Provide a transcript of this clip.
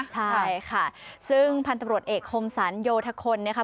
ใช่ค่ะซึ่งพันธุ์ตำรวจเอกคมสรรโยธคลนะคะ